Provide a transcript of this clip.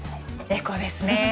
エコですね。